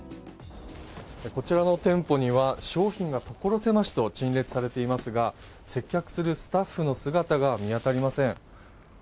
こちらの店舗には商品が所狭しと陳列されていますが接客するスタッフの姿が見あたりません。